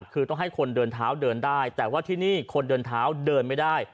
คือต้องให้คนเดินเท้าเดินได้แต่ว่าที่นี่คนเดินเท้าเดินไม่ได้